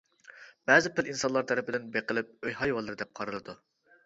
بەزى پىل ئىنسانلار تەرىپىدىن بېقىلىپ ئۆي ھايۋانلىرى دەپ قارىلىدۇ.